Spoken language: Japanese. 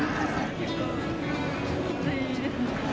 結構きついですね。